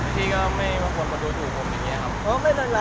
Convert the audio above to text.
ที่ก็ไม่ว่าคนก็ดูถูกผมอย่างเนี้ยครับ